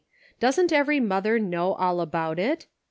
Doesn't every mother know all about it